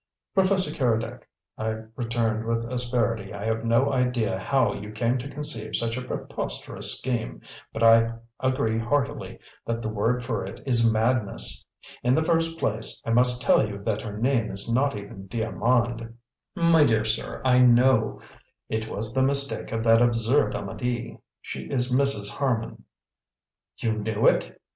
"Professor Keredec," I returned, with asperity, "I have no idea how you came to conceive such a preposterous scheme, but I agree heartily that the word for it is madness. In the first place, I must tell you that her name is not even d'Armand " "My dear sir, I know. It was the mistake of that absurd Amedee. She is Mrs. Harman." "You knew it?"